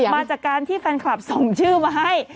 มาจากการที่แฟนคลับส่งชื่อมาให้